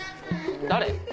誰？